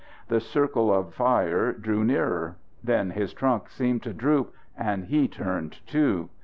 The circle of fire drew nearer. Then his trunk seemed to droop, and he turned, too.